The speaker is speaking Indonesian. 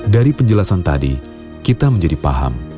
dari penjelasan tadi kita menjadi paham